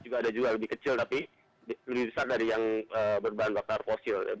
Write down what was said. juga ada juga lebih kecil tapi lebih besar dari yang berbahan bakar fosil